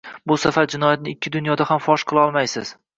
bu safar jinoyatni ikki dunyoda ham fosh qilolmaysiz.